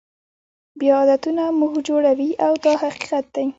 بیا عادتونه موږ جوړوي دا حقیقت دی.